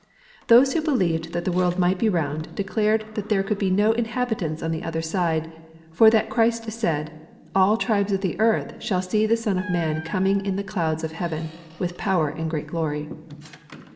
Those who believed that the world might be round declared that there could be no inhabitants on the other side, for that Christ said "All tribes of the earth shall see the Son of Man coming in the clouds of heaven with power and great glory."